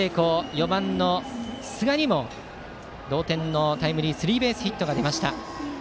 ４番の寿賀にも同点のタイムリースリーベースヒットが出ました。